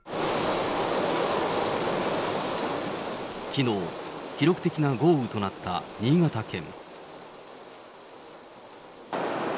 きのう、記録的な豪雨となった新潟県。